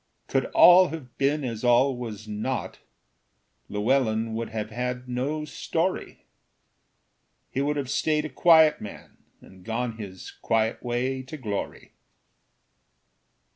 Could all have been as all was not, Llewellyn would have had no story; He would have stayed a quiet man And gone his quiet way to glory.